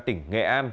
tỉnh hậu giang bắt giữ